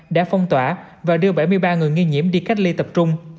đã phong tỏa và đưa bảy mươi ba người nghi nhiễm đi cách ly tập trung